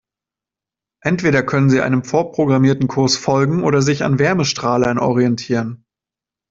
Entweder können sie einem vorprogrammierten Kurs folgen oder sich an Wärmestrahlern orientieren.